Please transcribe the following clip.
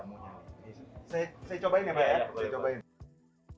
masalahnya sih jamu banget